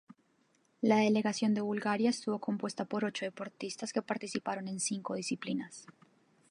La delegación de Bulgaria estuvo compuesta por ocho deportistas que participaron en cinco disciplinas.